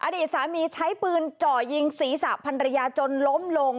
อดีตสามีใช้ปืนจ่อยิงศีรษะพันรยาจนล้มลง